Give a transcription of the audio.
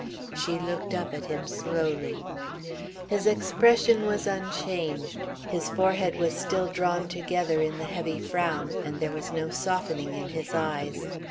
She looked up at him slowly. His expression was unchanged, his forehead was still drawn together in the heavy frown and there was no softening in his eyes.